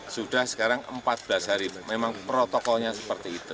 sudah sekarang empat belas hari memang protokolnya seperti itu